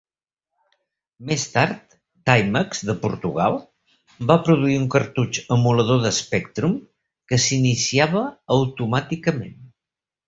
Més tard, Timex de Portugal va produir un cartutx emulador de Spectrum que s'iniciava automàticament.